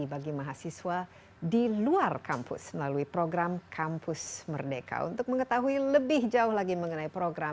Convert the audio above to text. bagi mahasiswa di luar kampus melalui program kampus merdeka untuk mengetahui lebih jauh lagi mengenai program